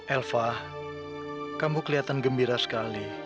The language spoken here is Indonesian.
elva kamu kelihatan gembira sekali